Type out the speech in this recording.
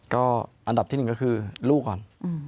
ก็อันดับที่๑ก็คือลูกก่อน